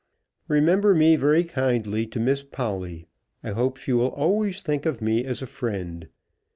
Remember me very kindly to Miss Polly. I hope she will always think of me as a friend.